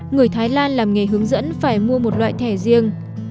người thái lan làm nghề hướng dẫn phải mua một loại thẻ riêng